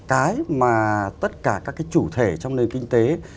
cái mà tất cả các cái chủ thể trong nền kinh tế